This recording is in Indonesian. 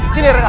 sini rena lepas